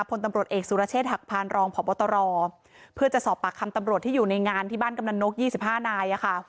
พลตำรวจเอกสุรเชษฐหักพานรองพบตรเพื่อจะสอบปากคำตำรวจที่อยู่ในงานที่บ้านกำลังนก๒๕นาย